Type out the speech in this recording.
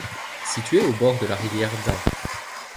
Située au bord de la rivière d'Ain.